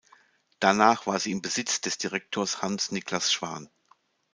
Danach war sie im Besitz des Direktors Hans Niclas Schwan.